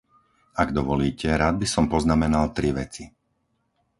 Ak dovolíte, rád by som poznamenal tri veci.